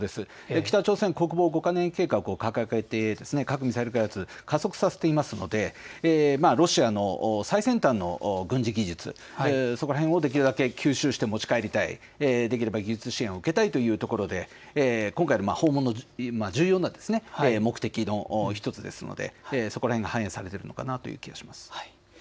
北朝鮮、国防５か年計画を掲げて核・ミサイル開発、加速させていますので、ロシアの最先端の軍事技術そこら辺をできるだけ吸収して持ち帰りたい、できれば技術支援を受けたいというところで今回の訪問の重要な目的の１つですのでそこら辺が反映されているのかなという気がします。